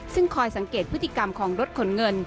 ซึ่งคอยสังเกตพฤติกรรมของรถขนเงิน